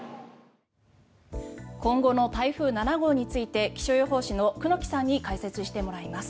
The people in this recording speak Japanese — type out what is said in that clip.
今後の台風７号について気象予報士の久能木さんに解説してもらいます。